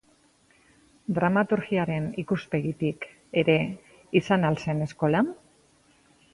Dramaturgiaren ikuspegitik ere izan al zen eskola?